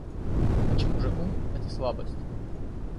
Почему же ум это слабость?